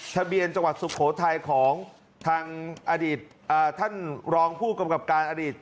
ทะเบียนจังหวัดสุโขทัยของทางอดีตท่านรองผู้กำกับการอดีต